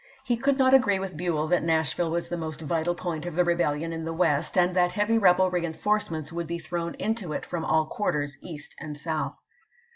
He could not agree with BueU that Nashville was the most "s^tal point of the rebellion in the West, and that heavy rebel reenforcements would be thrown into it from all quarters east and south.